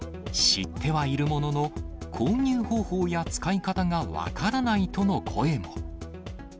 知ってはいるものの、購入方法や使い方が分からないとの声も。